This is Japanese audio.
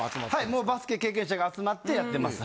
もうバスケ経験者が集まってやってます